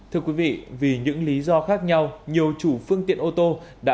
thưa quý vị vì những lý do khác nhau nhiều chủ phương tiện ô tô đã tìm đến